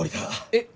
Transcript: えっ？